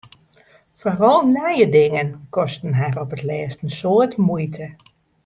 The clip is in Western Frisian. Foaral nije dingen kosten har op 't lêst in soad muoite.